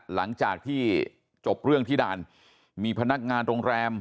หลังจากที่จบเรื่องที่ด่านมีพนักงานโรงแรม